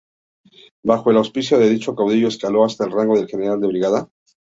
Bajo el auspicio de dicho caudillo, escaló hasta el rango de general de brigada.